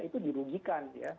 itu dirugikan ya